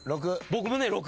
僕もね６。